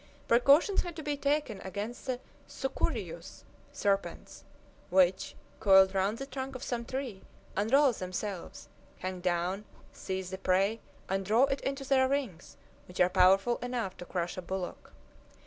Precautions had to be taken against the "sucurijus" serpents, which, coiled round the trunk of some tree, unroll themselves, hang down, seize their prey, and draw it into their rings, which are powerful enough to crush a bullock.